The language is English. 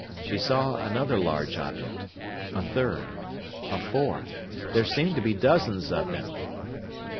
She saw another large object. A third. A fourth. There seemed to be dozens of them.